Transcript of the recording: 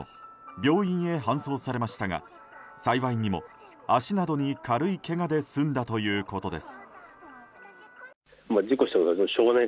病院へ搬送されましたが幸いにも足などに軽いけがで済んだということです。